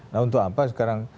nah untuk apa sekarang